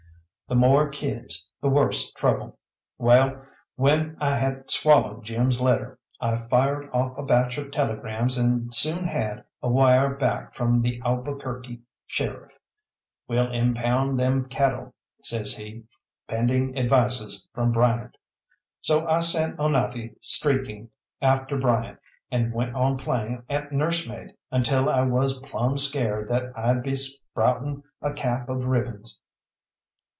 The more kids, the worse trouble. Well, when I had swallowed Jim's letter, I fired off a batch of telegrams and soon had a wire back from the Albuquerque sheriff. "Will impound them cattle," says he, "pending advices from Bryant." So I sent Onate streaking after Bryant, and went on playing at nursemaid until I was plumb scared that I'd be sprouting a cap of ribbons.